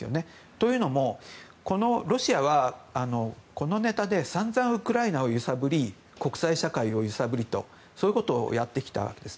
というのも、ロシアはこのネタで散々ウクライナを揺さぶり国際社会を揺さぶりとそういうことをやってきたんです。